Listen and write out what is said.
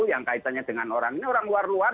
yang kaitannya dengan orang ini orang luar luar